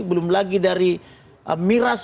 belum lagi dari miras